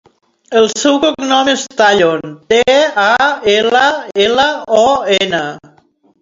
El seu cognom és Tallon: te, a, ela, ela, o, ena.